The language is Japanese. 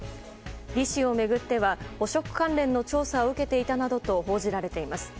リ氏を巡っては汚職関連の調査を受けていたなどと報じられています。